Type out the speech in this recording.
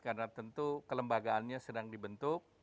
karena tentu kelembagaannya sedang dibentuk